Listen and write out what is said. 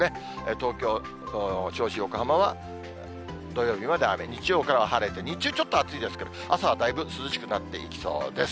東京、銚子、横浜は土曜日まで雨、日曜からは晴れて、日中、ちょっと暑いですけど、朝はだいぶ涼しくなっていきそうです。